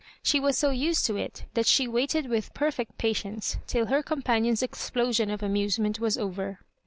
She was so used to it, that she waited with perfect patience till her companion's explosion of amusement was over.